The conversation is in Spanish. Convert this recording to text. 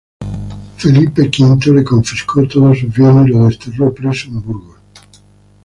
Felipe V le confiscó todos sus bienes y lo desterró preso en Burgos.